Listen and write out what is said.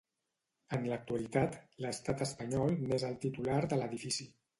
En l'actualitat, l'Estat espanyol n'és el titular de l'edifici.